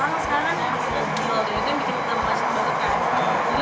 kamu sering pakai mobil atau kamu gak biasanya sehari hari